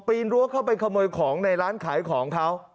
นรั้วเข้าไปขโมยของในร้านขายของเขา